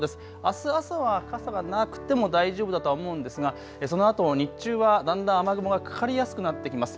あす朝は傘がなくても大丈夫だと思うんですが、そのあとも、日中はだんだん雨雲がかかりやすくなってきます。